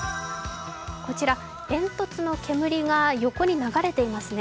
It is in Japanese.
煙突の煙が横に流れていますね。